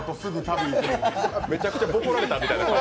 めちゃくちゃボコられたみたいな。